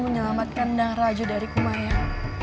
menyelamatkan dam raja dari kumaian